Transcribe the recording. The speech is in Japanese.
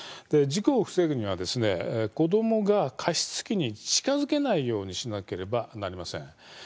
事故を防ぐには子どもが加湿器に近づけないようにしなければなりません。